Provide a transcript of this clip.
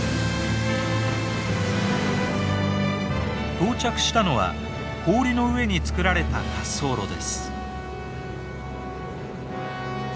到着したのは氷の上に作られた滑走路です。